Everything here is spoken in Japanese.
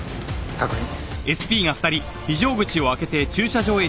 確認。